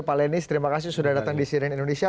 pak lenis terima kasih sudah datang di cnn indonesia